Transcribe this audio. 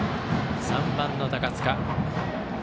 ３番の高塚。